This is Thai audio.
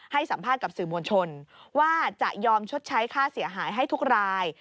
ให้สัมภาษณ์กับสื่อมวลชนว่าจะยอมชดใช้ค่าเสียหายให้ทุกราย